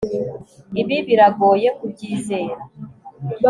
Ibi biragoye kubyizera